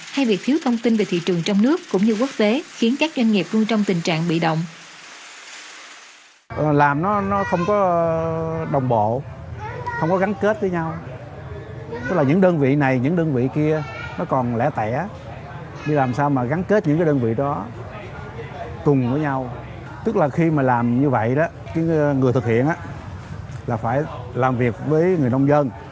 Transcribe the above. hay việc thiếu thông tin về thị trường trong nước cũng như quốc tế khiến các doanh nghiệp luôn trong tình trạng bị động